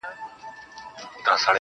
شعار خو نه لرم له باده سره شپې نه كوم.